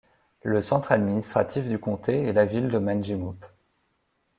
Le centre administratif du comté est la ville de Manjimup.